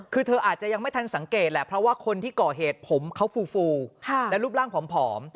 คือเธออาจจะยังไม่ทันสังเกตแหละเพราะว่าคนที่ก่อเหตุผมเขาฟูและรูปร่างผอม